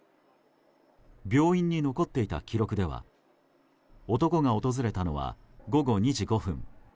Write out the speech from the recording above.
病院に残っていた記録では男が訪れたのは午後２時５分。